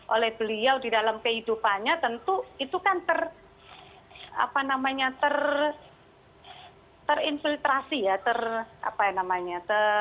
oleh beliau di dalam kehidupannya tentu itu kan terinfiltrasi ya